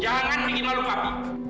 jangan bikin lalu papi